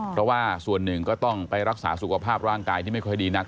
เพราะว่าส่วนหนึ่งก็ต้องไปรักษาสุขภาพร่างกายที่ไม่ค่อยดีนัก